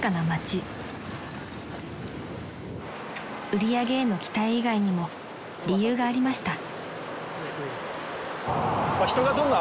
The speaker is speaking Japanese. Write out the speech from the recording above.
［売り上げへの期待以外にも理由がありました］